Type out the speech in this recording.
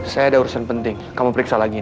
saya ada urusan penting kamu periksa lagi